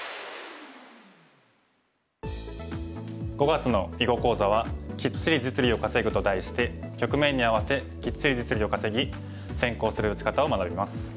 ５月の囲碁講座は「キッチリ実利を稼ぐ」と題して局面に合わせキッチリ実利を稼ぎ先行する打ち方を学びます。